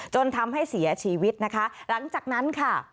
จนทำให้เสียชีวิตนะคะหลังจากนั้นค่ะ